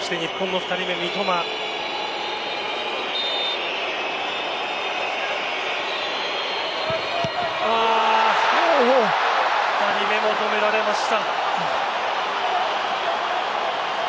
２人目も止められました。